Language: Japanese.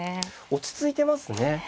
落ち着いてますね。